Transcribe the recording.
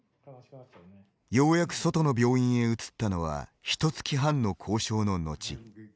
ようやく外の病院へ移ったのはひと月半の交渉の後。